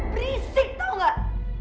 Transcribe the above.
berisik tau gak